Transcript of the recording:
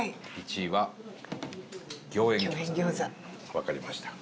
わかりました。